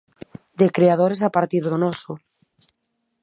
De creadores a partir do noso.